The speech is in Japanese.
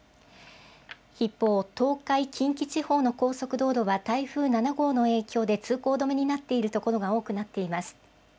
一方、東海、近畿地方の高速道路は台風７号の影響で通行止めになっているところが多くなっています。